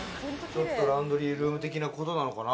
ランドリールーム的なことなのかな？